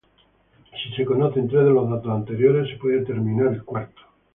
Si se conocen tres de los datos anteriores se puede determinar el cuarto.